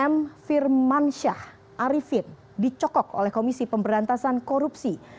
m firmansyah arifin dicokok oleh komisi pemberantasan korupsi